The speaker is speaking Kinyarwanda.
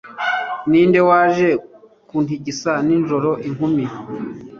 ninde waje kuntigisa nijoro? inkumi